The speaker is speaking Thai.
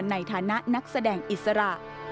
ในฐานะนักแสดงอิสระ